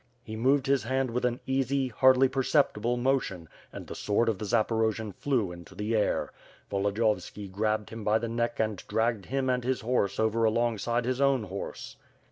He moved his hand with an easy, hardly perceptible motion and the sword of the Zaporojian flew into the air. Volodiyovski grabbed him bv the neck and dragged him and his horse over alongside his •own horse.